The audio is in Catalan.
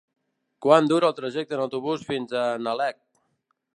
Quant dura el trajecte en autobús fins a Nalec?